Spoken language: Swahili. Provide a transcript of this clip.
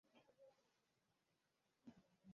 na tayari chama hicho kimekubaliana na matokeo hayo